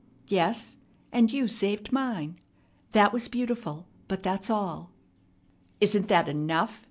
"Yes, and you saved mine. That was beautiful, but that's all." "Isn't that enough?